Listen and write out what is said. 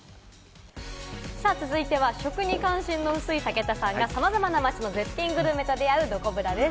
続いては食に関心の薄い武田さんが、さまざまな街の絶品グルメを出会う、どこブラです。